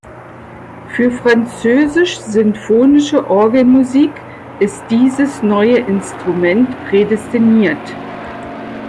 Für französisch-sinfonische Orgelmusik ist dieses neue Instrument prädestiniert.